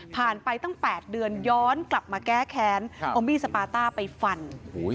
ผ่านไปตั้งแปดเดือนย้อนกลับมาแก้แค้นครับอมมีสปาต้าไปฝั่นอุ้ย